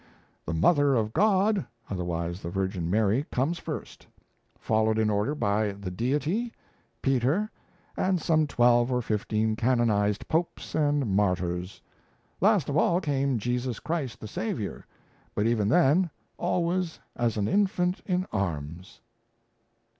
"The Mother of God," otherwise the Virgin Mary, comes first, followed in order by the Deity, Peter, and some twelve or fifteen canonized Popes and Martyrs. Last of all came Jesus Christ the Saviour but even then, always as an infant in arms!